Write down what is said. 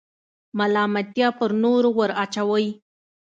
ملامتیا پر نورو وراچوئ.